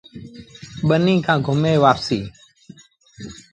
ٻنيٚ کآݩ گھمي وآپس سيٚݩ۔